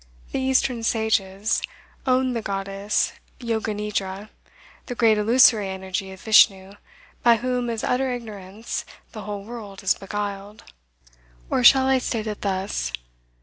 The eastern sages owned the goddess Yoganidra, the great illusory energy of Vishnu, by whom, as utter ignorance, the whole world is beguiled. Or, shall I state it thus?